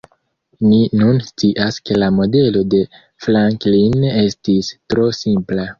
Ni nun scias ke la modelo de Franklin estis tro simpla.